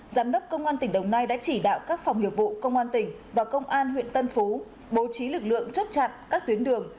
giám đốc công an tỉnh đồng nai đã chỉ đạo các phòng nghiệp vụ công an tỉnh và công an huyện tân phú bố trí lực lượng chốt chặn các tuyến đường